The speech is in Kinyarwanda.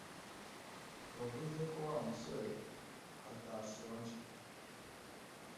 Wavuze ko Wa musore atashonje